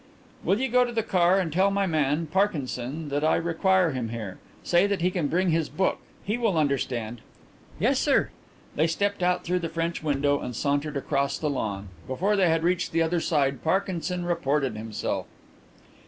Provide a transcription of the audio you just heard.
"Will you go to the car and tell my man Parkinson that I require him here. Say that he can bring his book; he will understand." "Yes, sir." They stepped out through the French window and sauntered across the lawn. Before they had reached the other side Parkinson reported himself.